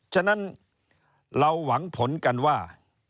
ฉะนั้นเราหวังผลกันว่า